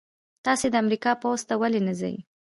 تاسې د امریکا پوځ ته ولې نه ځئ؟